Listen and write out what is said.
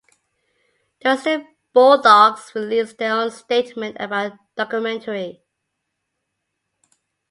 The Western Bulldogs released their own statement about the documentary.